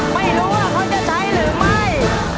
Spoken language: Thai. ไม่รู้ว่าเขาจะใช้หรือไม่